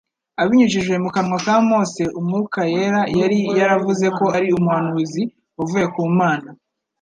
Abinyujije mu kanwa ka Mose Umwuka `yera yari yaravuze ko ari umuhanuzi wavuye ku Mana.